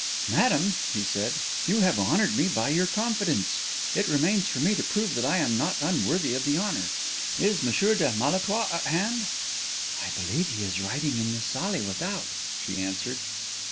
"Madam," he said, "you have honoured me by your confidence. It remains for me to prove that I am not unworthy of the honour. Is Messire de Malétroit at hand?" "I believe he is writing in the salle without," she answered.